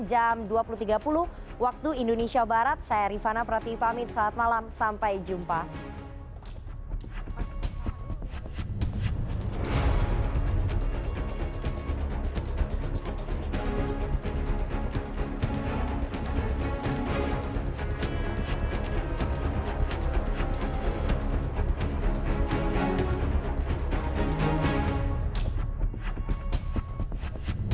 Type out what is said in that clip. jam dua puluh tiga puluh waktu indonesia barat saya rifana prati pamit selamat malam sampai jumpa hai hai